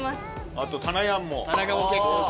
あとたなやんも。